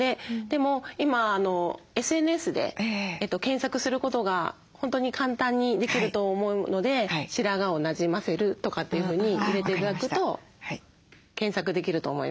でも今ＳＮＳで検索することが本当に簡単にできると思うので「白髪をなじませる」とかっていうふうに入れて頂くと検索できると思います。